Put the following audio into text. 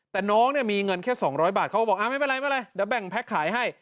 แต่น้องเนี่ยมีเงินแค่สองร้อยบาทเค้าบอกอ่าไม่เป็นอะไรเดี๋ยวแบ่งแพ็คขายให้